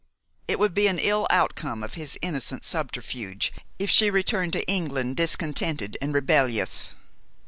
It would be an ill outcome of his innocent subterfuge if she returned to England discontented and rebellious.